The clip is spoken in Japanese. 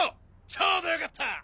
ちょうどよかった。